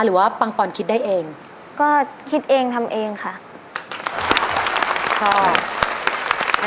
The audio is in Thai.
หรือว่าปังปอนด์คิดได้เองก็คิดเองทำเองค่ะ